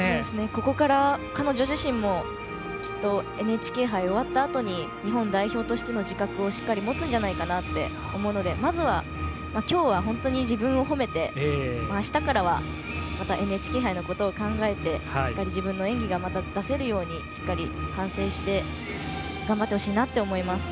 ここから彼女自身もきっとＮＨＫ杯終わったあとに日本代表としての自覚をしっかり持つんじゃないかなって思うのできょうは本当に自分を褒めてあしたからはまたＮＨＫ杯のことを考えてしっかり自分の演技が出せるようしっかり反省して頑張ってほしいなと思います。